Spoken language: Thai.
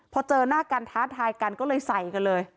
พอเจอหน้ากันท้าทายกันก็เลยใส่กันเลย